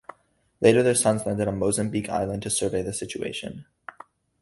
Later, their sons landed on Mozambique Island to survey the situation.